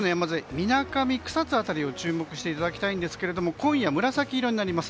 みなかみ、草津辺りを注目していただきたいんですが紫色になります。